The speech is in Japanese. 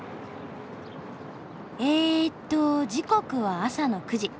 えっと時刻は朝の９時。